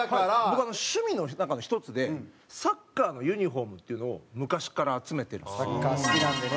僕趣味の中の１つでサッカーのユニフォームっていうのを昔から集めてるんですよ。